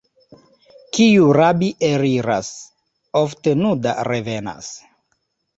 Kiu rabi eliras, ofte nuda revenas.